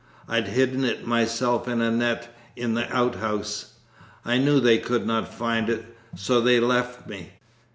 I'd hidden it myself in a net in the outhouse. I knew they could not find it. So they left me.